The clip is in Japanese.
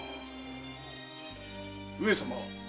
上様。